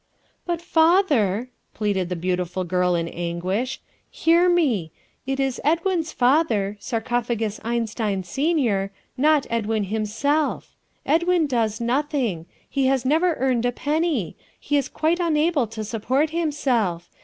"But, father," pleaded the beautiful girl in anguish, "hear me. It is Edwin's father Sarcophagus Einstein, senior not Edwin himself. Edwin does nothing. He has never earned a penny. He is quite unable to support himself.